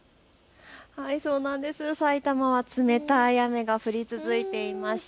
埼玉は冷たい雨が降り続いていまして